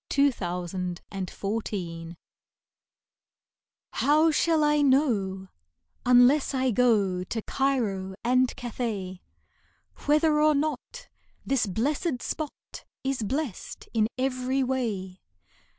To the Not Impossible Him How shall I know, unless I go To Cairo and Cathay, Whether or not this blessed spot Is blest in every way?